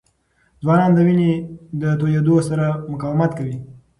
ځوانان د وینې د تویېدو سره سره مقاومت کوي.